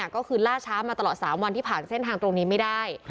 ก็คือล่าช้ามาตลอด๓วันที่ผ่านเส้นทางตรงนี้ไม่ได้